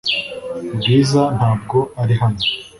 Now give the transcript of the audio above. Bwiza ntabwo ari hano .